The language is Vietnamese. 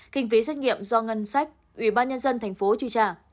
kinh phí xét nghiệm do ngân sách ubnd tp truy trả